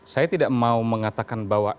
saya tidak mau mengatakan bahwa